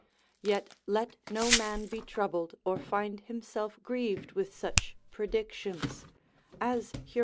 Yet let no man be troubled, or find himself grieved with such predictions, as Hier.